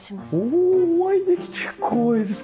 おぉお会いできて光栄です！